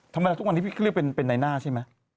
ทำไมทุกวันนี้พี่เขาเรียกเป็นในหน้าใช่ไหม